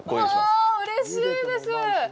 うわ、うれしいです。